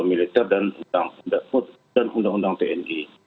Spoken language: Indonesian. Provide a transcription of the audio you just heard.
untuk memasukkan undang undang militer dan undang undang tni